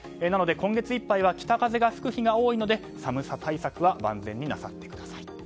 なので今月いっぱいは北風が吹く日が多いので寒さ対策は万全になさってください。